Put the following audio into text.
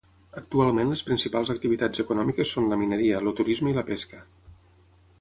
Actualment les principals activitats econòmiques són la mineria, el turisme i la pesca.